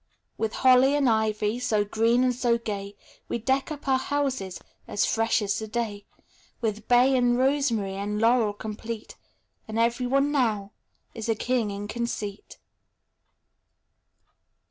With holly and ivy So green and so gay, We deck up our houses As fresh as the day; With bay and rosemary And laurel complete; And every one now Is a king in conceit.